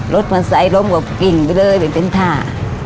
รถมันใสล้มกว่ากลิ่นไปเลยเป็นท่า